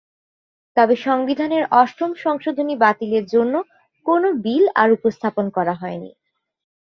তবে সংবিধানের অষ্টম সংশোধনী বাতিলের জন্য কোনও বিল আর উপস্থাপন করা হয়নি।